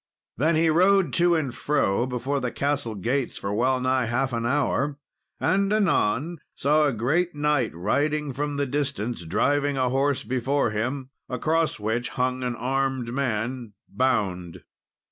Then he rode to and fro before the castle gates for well nigh half an hour, and anon saw a great knight riding from the distance, driving a horse before him, across which hung an armed man bound.